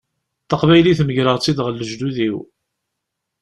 Taqbaylit megreɣ-tt-id ɣer lejdud-iw.